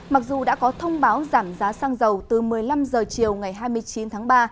mặc dù đã có thông báo giảm giá xăng dầu từ một mươi năm h chiều ngày hai mươi chín tháng ba